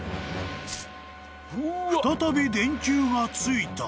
［再び電球がついた］